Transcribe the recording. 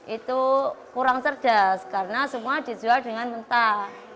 itu kurang cerdas karena semua dijual dengan mentah